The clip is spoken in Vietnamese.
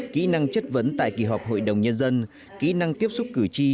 kỹ năng chất vấn tại kỳ họp hội đồng nhân dân kỹ năng tiếp xúc cử tri